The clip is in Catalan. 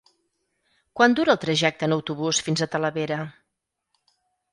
Quant dura el trajecte en autobús fins a Talavera?